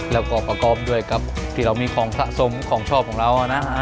แล้วก็ประกอบด้วยกับที่เรามีของสะสมของชอบของเรานะ